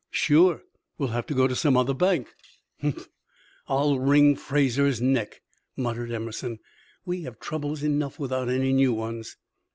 "Sure! We'll have to go to some other bank." "Humph! I'll wring Fraser's neck," muttered Emerson. "We have troubles enough without any new ones."